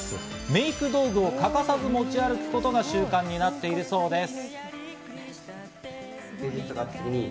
メーク道具を欠かさず持ち歩くことが習慣になっているそうです。